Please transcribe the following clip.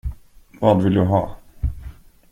Vad vill du ha?